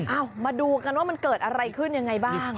มาดูกันว่ามันเกิดอะไรขึ้นยังไงบ้าง